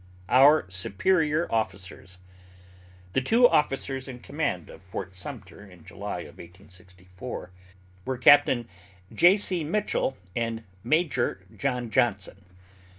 OUR SUPERIOR OFFICERS. The two officers in command of Fort Sumter in July of 1864 were Capt. J.C. Mitchell, and Major John Johnson.